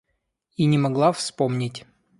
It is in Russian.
И не могла вспомнить.